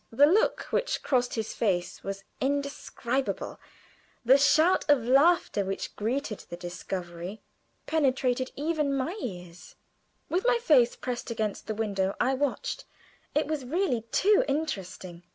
The look which crossed his face was indescribable; the shout of laughter which greeted the discovery penetrated even to my ears. With my face pressed against the window I watched; it was really too interesting.